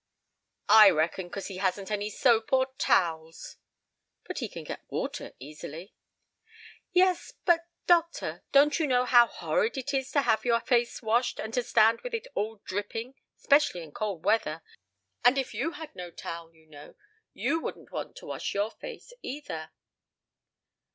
"I reckon 'cause he hasn't any soap or towels." "But he can get water easily." "Yes; but, doctor, don't you know how horrid it is to have your face washed, and to stand with it all dripping, 'specially in cold weather? and if you had no towel, you know, you wouldn't want to wash your face, either."